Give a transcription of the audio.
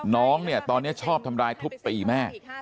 น้องเนี่ยตอนนี้ชอบทำร้ายทุบตีแม่